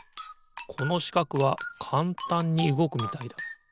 このしかくはかんたんにうごくみたいだ。